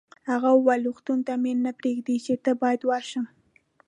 هغه وویل: روغتون ته مې نه پرېږدي، چې نه باید ورشم.